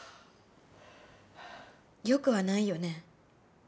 よくはないよね。